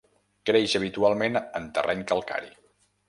Creix habitualment en terreny calcari.